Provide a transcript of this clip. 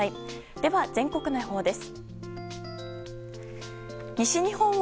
では、全国の予報です。